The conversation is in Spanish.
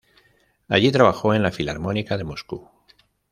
Allí trabajó en la Filarmónica de Moscú.